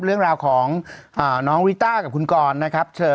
เรื่องราวของน้องริต้ากับคุณกรนะครับ